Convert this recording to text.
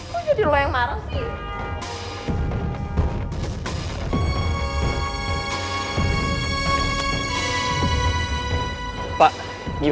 kok jadi lo yang marah sih